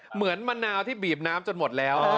มะนาวที่บีบน้ำจนหมดแล้ว